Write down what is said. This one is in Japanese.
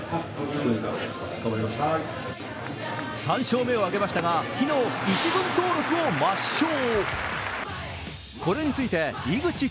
３勝目を挙げましたが昨日、１軍登録を抹消。